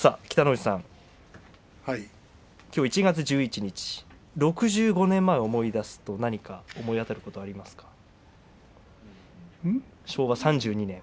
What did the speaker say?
北の富士さんきょう１月１１日６５年前を思い出すと何か思いあたることはありますか。